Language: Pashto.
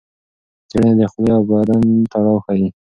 څېړنې د خولې او بدن تړاو ښيي.